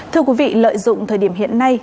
thưa quý vị lợi dụng thời điểm hiện nay